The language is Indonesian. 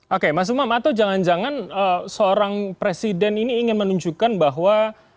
oke mas umam atau jangan jangan seorang presiden ini ingin menunjukkan bahwa